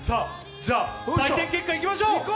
じゃあ採点結果、いきましょう。